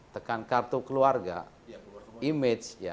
tekan kartu keluarga image